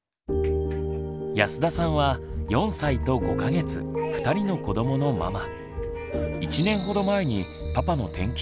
安田さんは４歳と５か月２人の子どものママ。